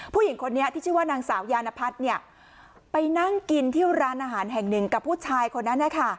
ผู้หญิงคนนี้ที่ชื่อว่านางสาวยานพัฒน์ไปนั่งกินที่ร้านอาหารแห่งหนึ่งกับผู้ชายคนนั้นนะคะ